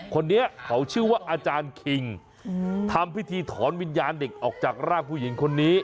คนนี้เขาชื่อว่าอาจารย์คิงทำพิธีถอนวิญญาณเด็กออกจากร่างผู้หญิงคนนี้